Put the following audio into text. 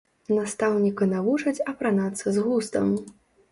Настаўніка навучаць апранацца з густам.